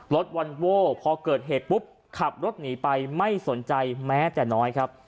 วันโว้พอเกิดเหตุปุ๊บขับรถหนีไปไม่สนใจแม้แต่น้อยครับ